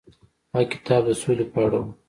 هغه کتاب د سولې په اړه و.